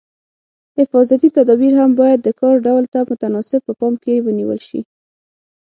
حفاظتي تدابیر هم باید د کار ډول ته متناسب په پام کې ونیول شي.